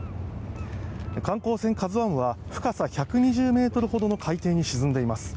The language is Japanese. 観光船「ＫＡＺＵ１」は深さ１２０ｍほどの海底に沈んでいます。